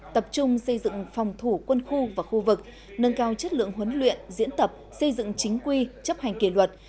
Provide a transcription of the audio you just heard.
tập trung xây dựng phòng thủ quân khu và khu vực nâng cao chất lượng huấn luyện diễn tập xây dựng chính quy chấp hành kỷ luật